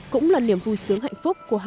cũng là niềm vui sướng hạnh phúc của hai đứa